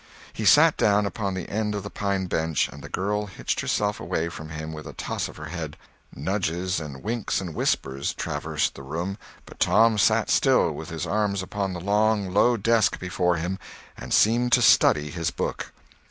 He sat down upon the end of the pine bench and the girl hitched herself away from him with a toss of her head. Nudges and winks and whispers traversed the room, but Tom sat still, with his arms upon the long, low desk before him, and seemed to study his book.